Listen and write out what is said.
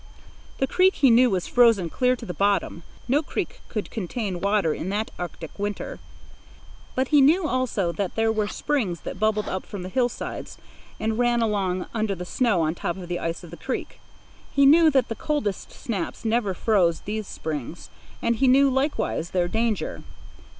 The creek he knew was frozen clear to the bottom—no creek could contain water in that arctic winter—but he knew also that there were springs that bubbled out from the hillsides and ran along under the snow and on top the ice of the creek. He knew that the coldest snaps never froze these springs, and he knew likewise their danger.